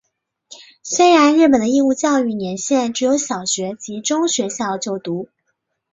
虽然日本的义务教育年限只有小学及中学校就读。